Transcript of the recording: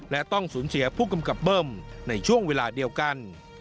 และต้องสูญเสียผู้กำกับเบิ้มในช่วงเวลาเดียวกัน